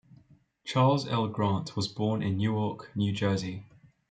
Charles L. Grant was born in Newark, New Jersey.